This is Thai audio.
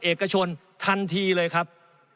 เอกชนทันทีเลยครับ